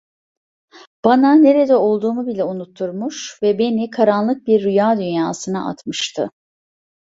Bana nerede olduğumu bile unutturmuş ve beni karanlık bir rüya dünyasına atmıştı.